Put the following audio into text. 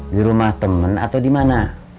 di rumah temen atau dimana